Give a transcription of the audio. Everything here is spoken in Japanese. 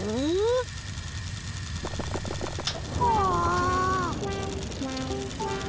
ああ。